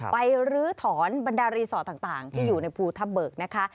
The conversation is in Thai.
ลื้อถอนบรรดารีสอร์ทต่างที่อยู่ในภูทับเบิกนะคะ